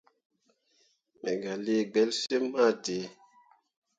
Me gah lii gbelsyimmi ma dǝǝ.